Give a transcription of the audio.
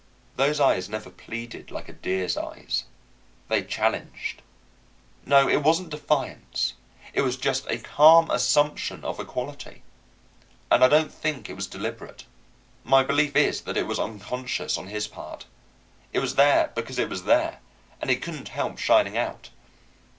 Those eyes never pleaded like a deer's eyes. They challenged. No, it wasn't defiance. It was just a calm assumption of equality. And I don't think it was deliberate. My belief is that it was unconscious on his part. It was there because it was there, and it couldn't help shining out.